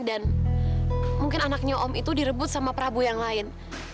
dan mungkin anaknya om itu direbut sama prabu yang lain